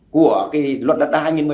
của luật đất đai hai nghìn một mươi ba